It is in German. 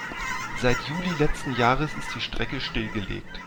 Seit Juli letzten Jahres ist die Strecke stillgelegt.